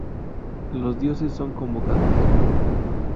Los dioses son convocados.